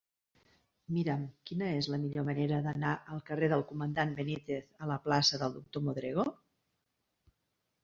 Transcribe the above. Mira'm quina és la millor manera d'anar del carrer del Comandant Benítez a la plaça del Doctor Modrego.